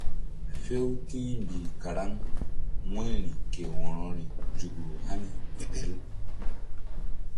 Few ti̧h mbih karaŋ wu̧yri ke wo̧rori nzukru hani gbeɗel.